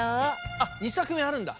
あっ２さくめあるんだ。